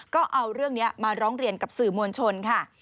ก็เอาเรื่องนี้มาร้องเรียนกับสื่อมวลชนค่ะ